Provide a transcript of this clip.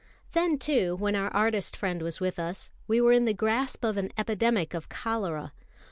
Then, too, when our artist friend was with us we were in the grasp of an epidemic of cholera.